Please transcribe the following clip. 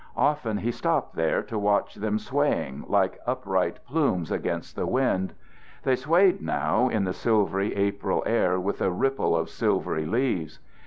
Often he stopped there to watch them swaying like upright plumes against the wind. They swayed now in the silvery April air with a ripple of silvery leaves.